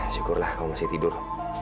syukurlah kamu masih tidur